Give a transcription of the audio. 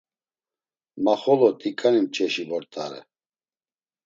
Ma xolo t̆iǩani mç̌eşi vort̆are.